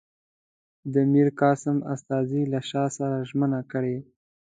د میرقاسم استازي له شاه سره ژمنه کړې.